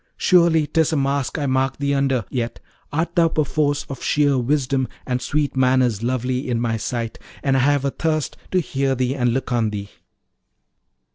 Surely 'tis a mask I mark thee under; yet art thou perforce of sheer wisdom and sweet manners lovely in my sight; and I have a thirst to hear thee and look on thee.'